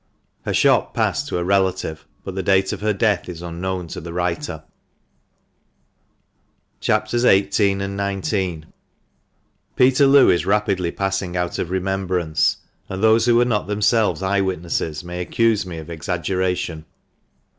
Her shop passed to a relative, but the date of her death is unknown to the writer. CHAPS, XVIII. and XIX.— Peterloo is rapidly passing out of remembrance, and those who were not themselves eye witnesses may accuse me of exaggeration.